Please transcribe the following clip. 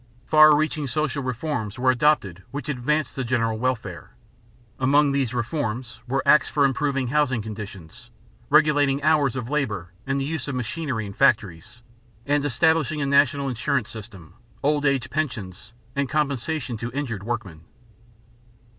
Far reaching social reforms were adopted which advanced the general welfare. Among these reforms were acts for improving housing conditions, regulating hours of labor and use of machinery in factories, and establishing a national insurance system, old age pensions, and compensation to injured workmen.